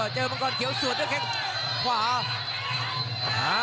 เจอมังกรเขียวส่วนด้วยแข่งขวา